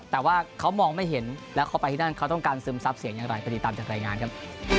แต่ว่าเขามองไม่เห็นแล้วเขาไปที่นั่นเขาต้องการซึมซับเสียงอย่างไรไปติดตามจากรายงานครับ